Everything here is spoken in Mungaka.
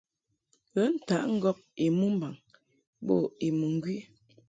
Ghə ntaʼ ŋgɔb I mɨmbaŋ bo I mɨŋgwi.